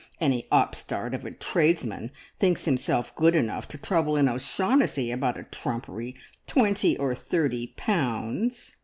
Any upstart of a tradesman thinks himself good enough to trouble an O'Shaughnessy about a trumpery twenty or thirty pounds.